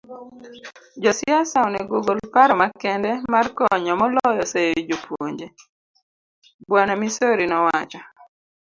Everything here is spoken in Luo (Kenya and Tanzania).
Jo siasa onego ogol paro makende mar konyo moloyo seyo jopuonje, Bw. Misori nowacho.